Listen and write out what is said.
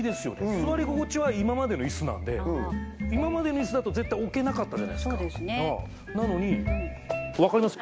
座り心地は今までのイスなんで今までのイスだと絶対置けなかったじゃないですかそうですねなのに分かりますよ！